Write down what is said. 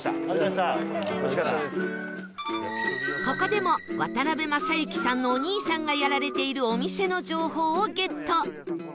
ここでも渡辺正行さんのお兄さんがやられているお店の情報をゲット